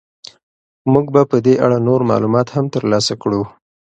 موږ به په دې اړه نور معلومات هم ترلاسه کړو.